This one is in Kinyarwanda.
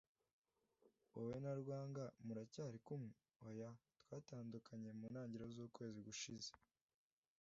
Wowe na Rwanga muracyari kumwe? Oya, twatandukanye mu ntangiriro z'ukwezi gushize."